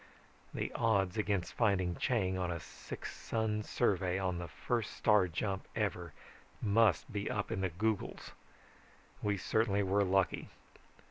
The odds against finding Chang on a six sun survey on the first star jump ever must be up in the googols. We certainly were lucky.